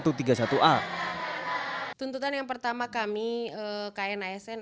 tuntutan yang pertama kami knasn